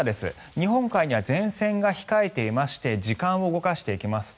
日本海には前線が控えていまして時間を動かしていきますと